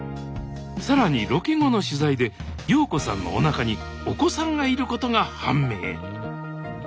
更にロケ後の取材で陽子さんのおなかにお子さんがいることが判明。